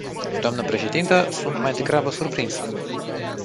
Dnă președintă, sunt mai degrabă surprinsă.